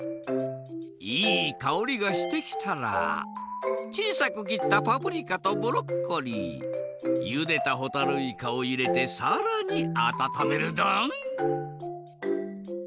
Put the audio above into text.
いいかおりがしてきたらちいさく切ったパプリカとブロッコリーゆでたほたるいかをいれてさらにあたためるドン。